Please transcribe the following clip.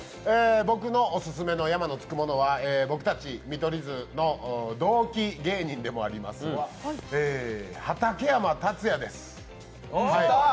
僕のオススメの山のつくものは僕たち見取り図の同期芸人でもあります、畠山達也です。